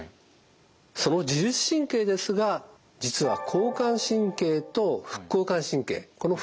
その自律神経ですが実は交感神経と副交感神経この２つがあります。